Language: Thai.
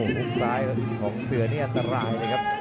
หุ้มซ้ายของเสือนี่อันตรายเลยครับ